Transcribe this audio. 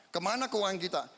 kemana keuangan kita